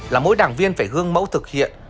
là mỗi đảng viên phải hương mẫu thực hiện